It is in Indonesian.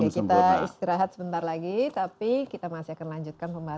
kita istirahat sebentar lagi tapi